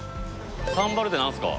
サンバルって何すか？